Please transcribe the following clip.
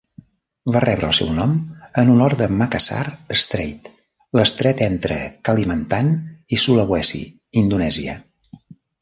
Va rebre el seu nom en honor a Makassar Strait, l'estret entre Kalimantan i Sulawesi, Indonèsia.